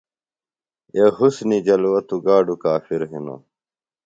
اے حُسُن جلوہ توۡ گاڈوۡ کافِر ہِنوۡ۔